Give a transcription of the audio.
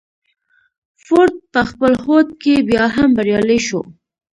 فورډ په خپل هوډ کې بيا هم بريالی شو.